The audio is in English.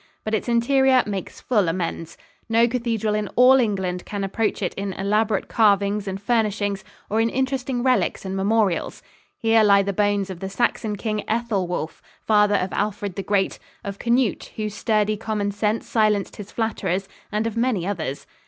But its interior makes full amends. No cathedral in all England can approach it in elaborate carvings and furnishings or in interesting relics and memorials. Here lie the bones of the Saxon King Ethelwulf, father of Alfred the Great; of Canute, whose sturdy common sense silenced his flatterers; and of many others.